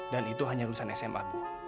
dan itu hanya lulusan sma